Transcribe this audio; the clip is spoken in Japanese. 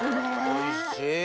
おいしい！